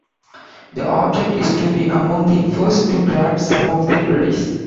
The object is to be among the first to grab some of the berries.